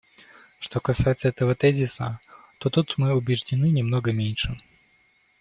Что касается этого тезиса, то тут мы убеждены немного меньше.